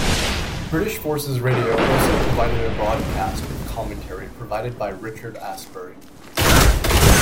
British Forces Radio also provided a broadcast with commentary provided by Richard Astbury.